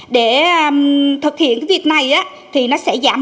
để thực hiện việc này thì nó sẽ giảm bụng